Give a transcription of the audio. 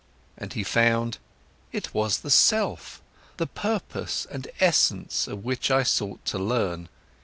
And he found: "It was the self, the purpose and essence of which I sought to learn.